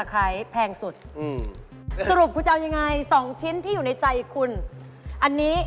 ขอบคุณค่ะ